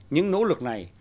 những nỗ lực này